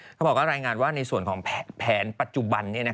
เขาบอกว่ารายงานว่าในส่วนของแผนปัจจุบัน